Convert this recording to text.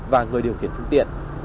và người điều khiển phương tiện